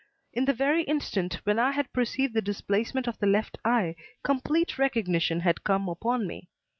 In the very instant when I had perceived the displacement of the left eye, complete recognition had come upon me.